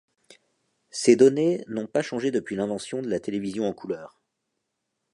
Ces données n'ont pas changé depuis l'invention de la télévision en couleurs.